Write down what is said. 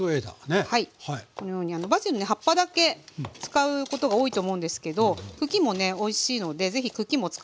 このようにバジルね葉っぱだけ使うことが多いと思うんですけど茎もねおいしいので是非茎も使って下さい。